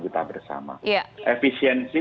kita bersama efisiensi